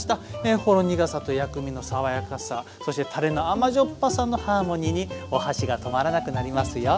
ほろ苦さと薬味の爽やかさそしてたれの甘じょっぱさのハーモニーにお箸が止まらなくなりますよ。